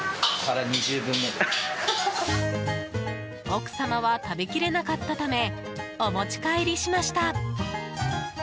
奥様は食べきれなかったためお持ち帰りしました。